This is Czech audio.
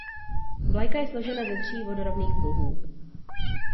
Vlajka je složena ze tří vodorovných pruhů.